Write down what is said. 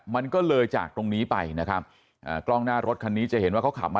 มันก็เลยจากตรงนี้ไปนะครับอ่ากล้องหน้ารถคันนี้จะเห็นว่าเขาขับมา